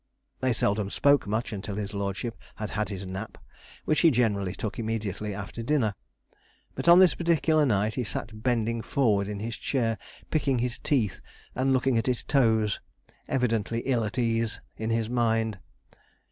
They seldom spoke much until his lordship had had his nap, which he generally took immediately after dinner; but on this particular night he sat bending forward in his chair, picking his teeth and looking at his toes, evidently ill at ease in his mind.